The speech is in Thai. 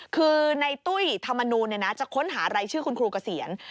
คือในตุ้ยธรรมนูลจะค้นหารายชื่อคุณครูเกษียณ